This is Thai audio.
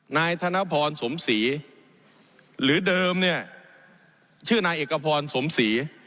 นายธนพรสมศรีหรือเดิมเนี่ยชื่อนายเอกพรสมศรี